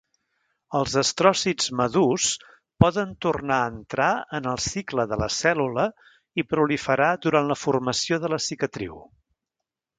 Els astròcits madurs poden tornar a entra en el cicle de la cèl·lula i proliferar durant la formació de la cicatriu.